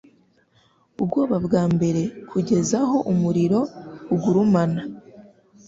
ubwoba bwa mbere kugeza aho umuriro ugurumana